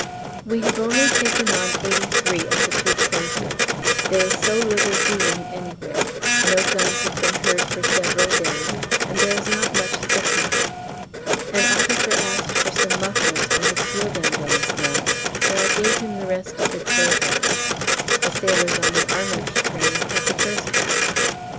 We have only taken on 83 at the two places. There is so little doing anywhere no guns have been heard for several days, and there is not much sickness. An officer asked for some mufflers for his Field Ambulance men, so I gave him the rest of the children's: the sailors on the armoured train had the first half.